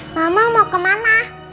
mama mau kemana